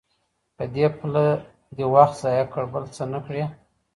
په دې پله دي وخت ضایع کړ بل څه نه کړې